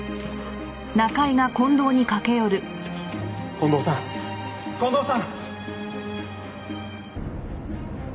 近藤さん近藤さん！